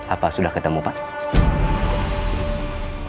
apa sudah ketemu pak